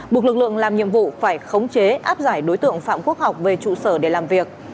buộc lực lượng làm nhiệm vụ phải khống chế áp giải đối tượng phạm quốc học về trụ sở để làm việc